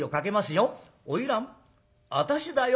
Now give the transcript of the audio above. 『花魁私だよ』。